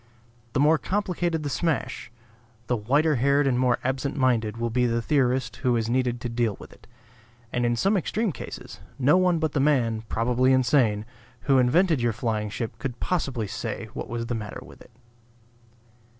The more complicated the smash, the whiter haired and more absent minded will be the theorist who is needed to deal with it; and in some extreme cases, no one but the man (probably insane) who invented your flying ship could possibly say what was the matter with it.